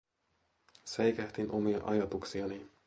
Säikähdin omia ajatuksiani.